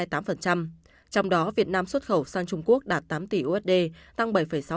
trong đó việt nam xuất khẩu sang trung quốc đạt tám tỷ usd tăng bảy sáu